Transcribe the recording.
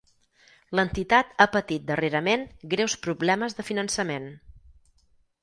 L'entitat ha patit darrerament greus problemes de finançament.